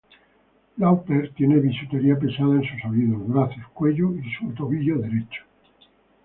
Lauper tiene bisutería pesada en sus oídos, brazos, cuello y su tobillo derecho.